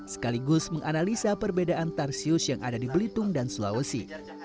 sekaligus menganalisa perbedaan tarsius yang ada di belitung dan sulawesi